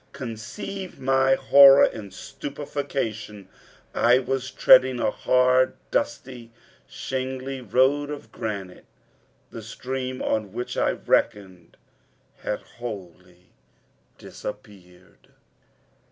Conceive my horror and stupefaction! I was treading a hard, dusty, shingly road of granite. The stream on which I reckoned had wholly disappeared!